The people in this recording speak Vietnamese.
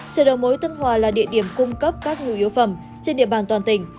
chợ đầu mối tân hòa là địa điểm cung cấp các nhu yếu phẩm trên địa bàn toàn tỉnh